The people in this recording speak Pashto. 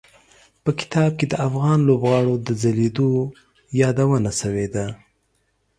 په کتاب کې د افغان لوبغاړو د ځلېدو یادونه شوي ده.